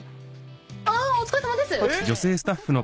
あお疲れさまです！